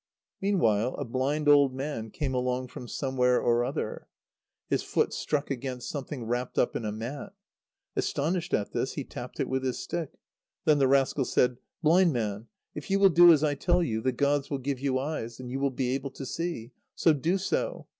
Meanwhile a blind old man came along from somewhere or other. His foot struck against something wrapped up in a mat. Astonished at this, he tapped it with his stick. Then the rascal said: "Blind man! If you will do as I tell you, the gods will give you eyes, and you will be able to see. So do so.